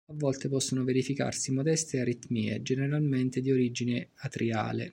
A volte possono verificarsi modeste aritmie, generalmente di origine atriale.